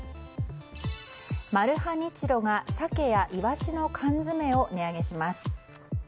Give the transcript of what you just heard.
マルハニチロがサケやイワシの缶詰を値上げします。